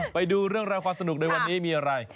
ไปดูเรื่องราวความสนุกในวันนี้มีอะไร